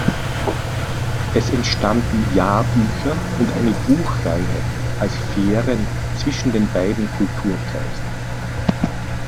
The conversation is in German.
Es entstanden Jahrbücher und eine Buchreihe als "Fähren" zwischen den beiden Kulturkreisen.